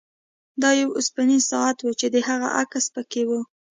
دا یو اوسپنیز ساعت و چې د هغې عکس پکې و